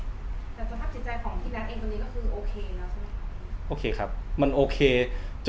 จิตใจของคุณลานเองด้วยก็โอเคนะ